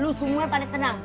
lu semuanya pada tenang